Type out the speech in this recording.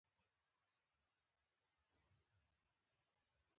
توغندي به له یو غړومب سره پر ځمکه را پرېوتل.